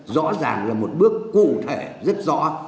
rõ ràng là một bước cụ thể rất rõ